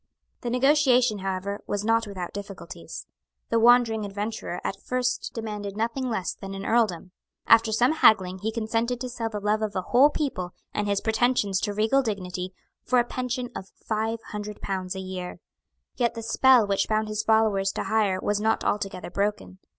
The negotiation however was not without difficulties. The wandering adventurer at first demanded nothing less than an earldom. After some haggling he consented to sell the love of a whole people, and his pretensions to regal dignity, for a pension of five hundred pounds a year. Yet the spell which bound his followers to hire was not altogether broken.